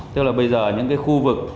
tức là bây giờ những cái khu vực